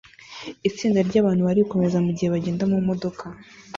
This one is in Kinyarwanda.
Itsinda ryabantu barikomeza mugihe bagenda mumodoka